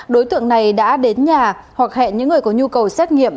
đối tượng này đã đến nhà hoặc hẹn những người có nhu cầu xét nghiệm